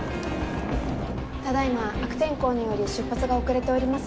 ただ今悪天候により出発が遅れております。